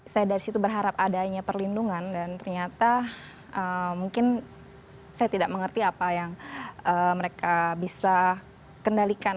saya dari situ berharap adanya perlindungan dan ternyata mungkin saya tidak mengerti apa yang mereka bisa kendalikan